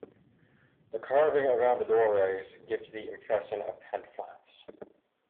The carving around the doorways gives the impression of tent flaps.